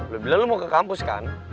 lu bilang lu mau ke kampus kan